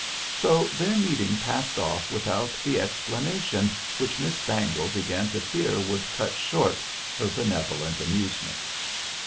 So, their meeting passed off without the explanation which Miss Bangle began to fear would cut short her benevolent amusement.